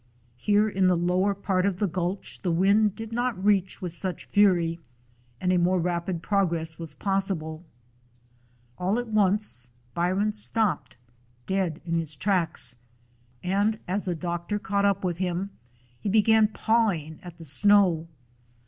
Here in the lower part of the gulch the wind did not reach with such fury, and a more rapid progress was possible. All at once Byron stopped dead in his tracks, and as the doctor caught up with him he be gan pawing at the snow.